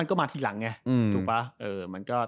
มันก็มาทีหลังไง